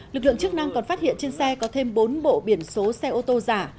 lực lượng chức năng còn phát hiện trên xe có thêm bốn bộ biển số xe ô tô giả